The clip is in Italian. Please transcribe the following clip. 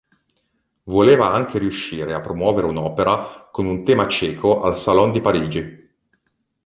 Voleva anche riuscire a promuovere un'opera con un tema ceco al Salon di Parigi.